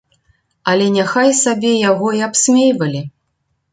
Але няхай сабе яго і абсмейвалі.